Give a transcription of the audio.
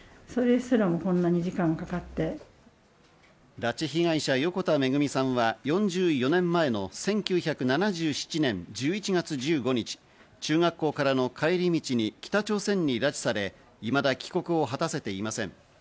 拉致被害者、横田めぐみさんは４４年前の１９７７年１１月１５日、中学校からの帰り道に北朝鮮に拉致され、いまだ帰国を果たせていません。